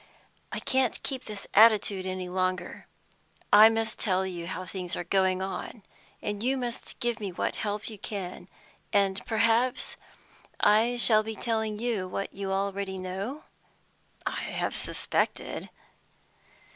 I can't keep this attitude any longer. I must tell you how things are going on, and you must give me what help you can. And perhaps I shall be telling you what you already know?" "I have suspected."